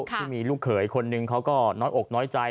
ที่มีลูกเขยคนนึงเขาก็น้อยอกน้อยใจ